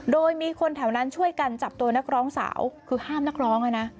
โดยมีคนแถวนั้นช่วยกันจับตัวนักร้องสาวคือห้ามนักร้องเลยนะ